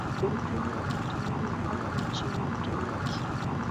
Uchumi na Matumizi ya Ardhi nchini Uturuki